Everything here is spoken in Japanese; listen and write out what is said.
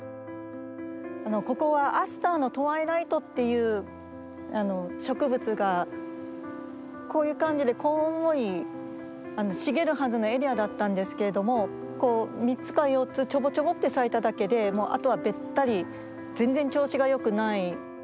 ここはアスターの‘トワイライト’っていう植物がこういう感じでこんもり茂るはずのエリアだったんですけれどもこう３つか４つちょぼちょぼって咲いただけでもうあとはべったり全然調子がよくない。